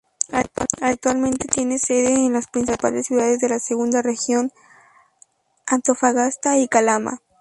Actualmente tiene Sede en las principales ciudades de la Segunda Región, Antofagasta y Calama.